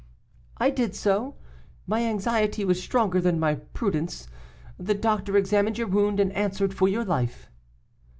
"I did so; my anxiety was stronger than my prudence. The doctor examined your wound and answered for your life."